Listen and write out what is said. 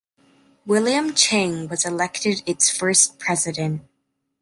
William Chang was elected its first president.